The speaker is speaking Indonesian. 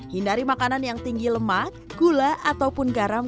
hindari makanan yang tinggi lemak gula ataupun garam